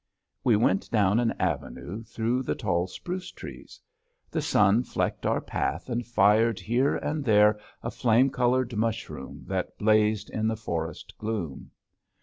We went down an avenue through the tall spruce trees. The sun flecked our path and fired here and there a flame colored mushroom that blazed in the forest gloom.